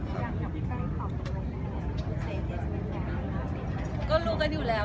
แม่กับผู้วิทยาลัย